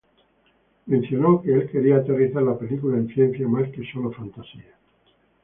Mencionó que el quería aterrizar la película en ciencia más que sólo fantasía.